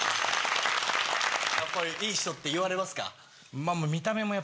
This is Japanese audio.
やっぱりいい人って言われますか？